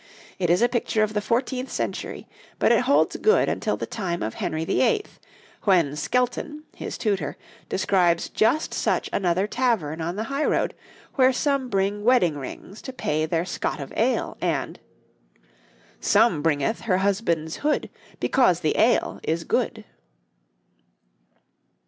It is a picture of the fourteenth century, but it holds good until the time of Henry VIII., when Skelton, his tutor, describes just such another tavern on the highroad, where some bring wedding rings to pay their scot of ale, and 'Some bryngeth her husband's hood Because the ale is good.'